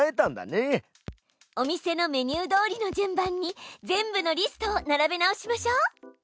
お店のメニューどおりの順番に全部のリストを並べ直しましょう。